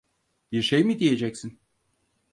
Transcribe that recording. Bir şey mi diyeceksin?